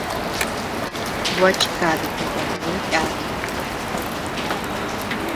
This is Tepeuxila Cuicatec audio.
Gua chikadi kayadu yàbi.